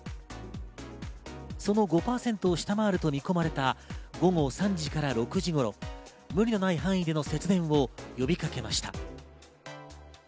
その５％を下回ると見込まれた午後３時から６時頃、無理のない範囲での節電を呼びかけました。